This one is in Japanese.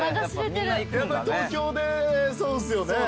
やっぱり東京でそうですよね。